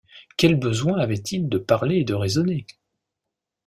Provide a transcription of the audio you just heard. Quel besoin avait-il de parler et de raisonner?